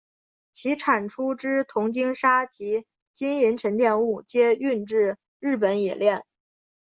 其产出之铜精砂及金银沉淀物皆运至日本冶炼。